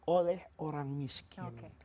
oleh orang miskin